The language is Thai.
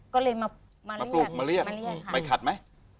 ก็เลยมาเรียกมาเรียกมาเรียกค่ะ